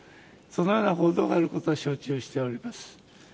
そのような報道があることは承知をしております。